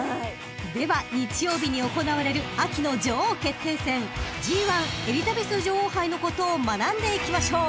［では日曜日に行われる秋の女王決定戦ＧⅠエリザベス女王杯のことを学んでいきましょう］